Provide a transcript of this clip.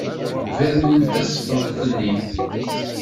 Bernen tasfeḍt-nni.